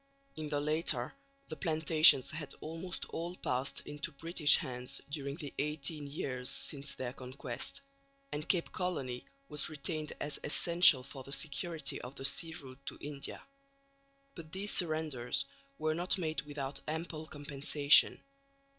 In the latter the plantations had almost all passed into British hands during the eighteen years since their conquest; and Cape Colony was retained as essential for the security of the sea route to India. But these surrenders were not made without ample compensation.